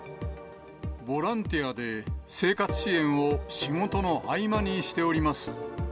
ボランティアで生活支援を仕事の合間にしております。